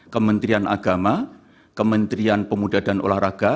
kementerian agama kementerian pemuda dan olahraga